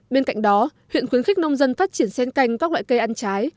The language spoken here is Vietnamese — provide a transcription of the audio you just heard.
bên cạnh đó huyện khuyến khích nông dân phát triển sen canh các loại cây ăn trái